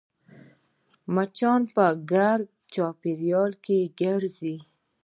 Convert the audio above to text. مچان په ګرد چاپېریال کې ګرځي